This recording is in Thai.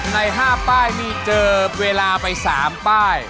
ใน๕ป้ายนี่เจอเวลาไป๓ป้าย